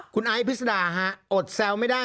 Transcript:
คุณไอซ์พิษดาฮะอดแซวไม่ได้